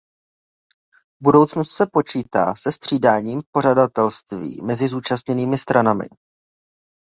V budoucnu se počítá se střídáním pořadatelství mezi zúčastněnými stranami.